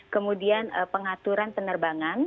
kemudian pengaturan penerbangan